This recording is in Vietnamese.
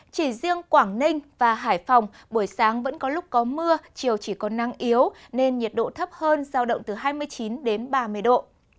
chỉ riêng quảng ninh và hải phòng buổi sáng vẫn có lúc có mưa chiều chỉ có nắng yếu nên nhiệt độ thấp hơn giao động từ hai mươi chín đến ba mươi độ